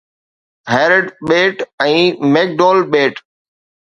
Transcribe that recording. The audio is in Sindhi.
هيرڊ ٻيٽ ۽ ميڪ ڊول ٻيٽ